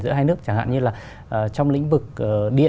giữa hai nước chẳng hạn như là trong lĩnh vực điện